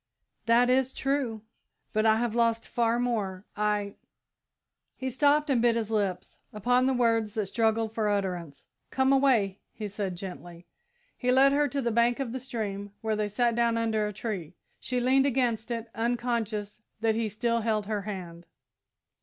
"That is true, but I have lost far more. I " He stopped and bit his lips upon the words that struggled for utterance. "Come away," he said, gently. He led her to the bank of the stream, where they sat down under a tree. She leaned against it, unconscious that he still held her hand.